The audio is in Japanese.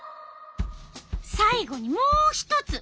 さい後にもう一つ。